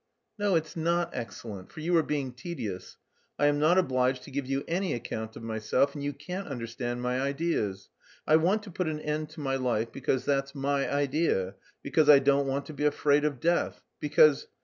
"No, it's not excellent, for you are being tedious. I am not obliged to give you any account of myself and you can't understand my ideas. I want to put an end to my life, because that's my idea, because I don't want to be afraid of death, because...